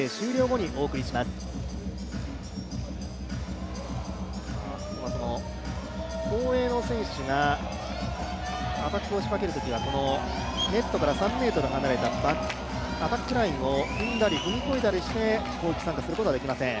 後衛の選手がアタックを仕掛けるときはネットから３ｍ離れたアタックラインを踏んだり踏み込んだりしてはいけません。